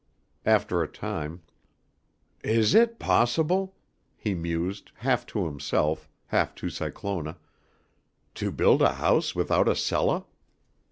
After a time: "Is it possible?" he mused, half to himself, half to Cyclona, "to build a house without a cellah?"